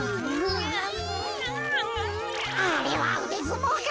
あれはうでずもうか？